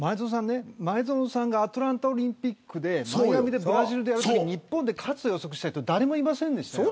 前園さんがアトランタオリンピックでマイアミでブラジルとやったときに勝つ予測した人誰もいませんでしたよ。